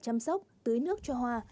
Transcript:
chăm sóc tưới nước cho hoa